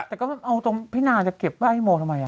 แต่ก็เอาตรงพี่นาจะเก็บไว้ให้โมทำไม